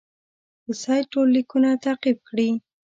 د سید ټول لیکونه تعقیب کړي.